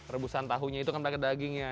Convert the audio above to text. rebusan tahunya itu kan pakai daging ya